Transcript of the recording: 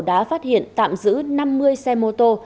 đã phát hiện tạm giữ năm mươi xe mô tô